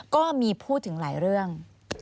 ก็มีพูดถึงหลายเรื่อง